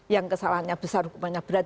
yang kesalahannya besar hukumannya berat